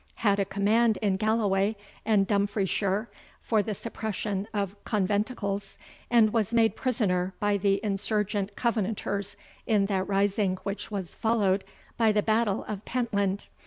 had a command in Galloway and Dumfries shire, for the suppression of conventicles, and was made prisoner by the insurgent Covenanters in that rising which was followed by the battle of Pentland.